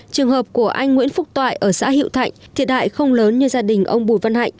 trường hợp của anh nguyễn phúc toại ở xã hiệu thạnh thiệt hại không lớn như gia đình ông bùi văn hạnh